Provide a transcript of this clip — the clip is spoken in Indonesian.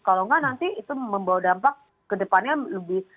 kalau enggak nanti itu membawa dampak ke depannya lebih